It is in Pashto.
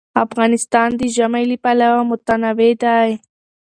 افغانستان د ژمی له پلوه متنوع دی.